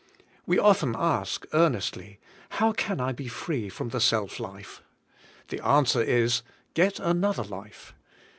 We often ask earnestly: How can I be free from the self life? The answer is, "Get another life."